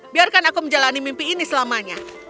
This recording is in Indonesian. biarkan aku menjalani mimpi ini selamanya